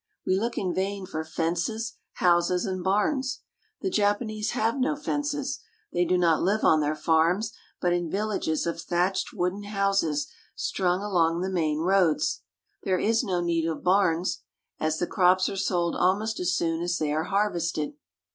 We look in vain for So JAPAN fences, houses, and barns. The Japanese have no fences. They do not live on their farms, but in villages of thatched A Farmer's House. wooden houses strung along the main roads. There is no need of barns, as the crops are sold almost as soon as they are harvested.